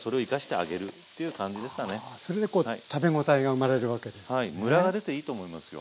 あそれでこう食べ応えが生まれるわけですね。